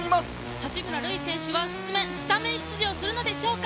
八村選手、スタメン出場するのでしょうか。